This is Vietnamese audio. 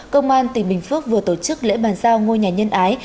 công an tỉnh bình phước vừa tổ chức lễ bàn giao ngôi nhà nhân ái